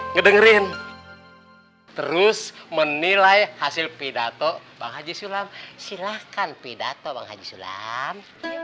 ngedengerin terus menilai hasil pidato bang haji sulam silahkan pidato bang haji sulam